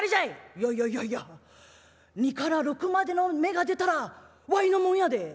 「いやいやいやいや２から６までの目が出たらわいのもんやで。